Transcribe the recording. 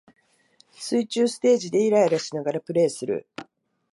水中ステージでイライラしながらプレイする